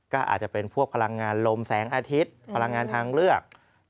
ก็อาจจะเป็นพวกพลังงานลมแสงอาทิตย์พลังงานทางเลือก